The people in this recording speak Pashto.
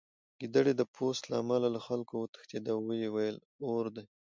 ګیدړې د پوست له امله له خلکو وتښتېده او ویې ویل اور دی